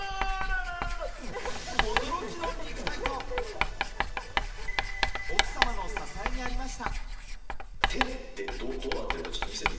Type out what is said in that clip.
驚きの肉体と奥様の支えにありました。